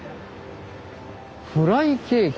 フライケーキ。